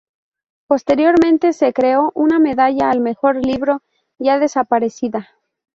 Posteriormente se creó una medalla al mejor libro, ya desaparecida.